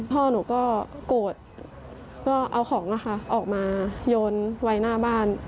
พ่อหนูก็โกรธก็เอาของออกมาโยนไว้หน้าบ้าน